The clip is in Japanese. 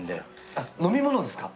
あっ飲み物ですか？